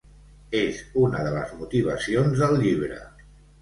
És una de les motivacions del llibre.